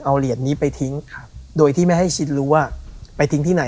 เอาเหรียญนี้ไปทิ้งโดยที่ไม่ให้ชิดรู้ว่าไปทิ้งที่ไหน